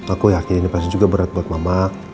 aku yakin ini pasti juga berat buat mama